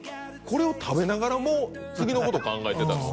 これを食べながらもう次のこと考えてたの？」